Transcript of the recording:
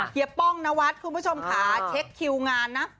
ป้องนวัดคุณผู้ชมค่ะเช็คคิวงานนะ